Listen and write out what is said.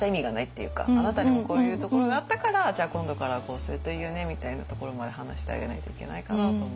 あなたにもこういうところがあったからじゃあ今度からはこうするといいよねみたいなところまで話してあげないといけないかなと思うので。